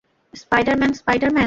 Spider Man, Spider Man.